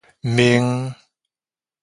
面